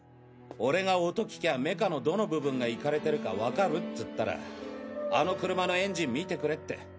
俺が音聞きゃメカのどの部分がイカれてるかわかるっつったらあの車のエンジンみてくれって。